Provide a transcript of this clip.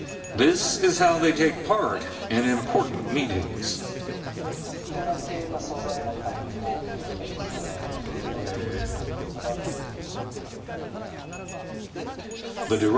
サステナ系の素材の開発も。